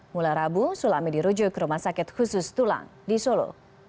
mulai rabu sulami dirujuk ke rumah sakit khusus tulang di solo